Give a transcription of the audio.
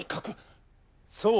そう。